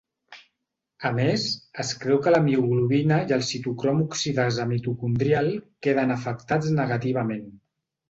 A més, es creu que la mioglobina i el citocrom oxidasa mitocondrial queden afectats negativament.